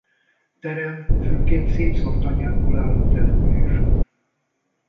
Terem főként szétszórt tanyákból álló település.